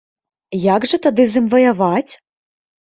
Як жа тады з ім ваяваць?